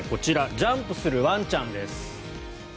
ジャンプするワンちゃんです。